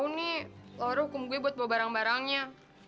lo tau nih laura hukum gue buat bawa barang barangnya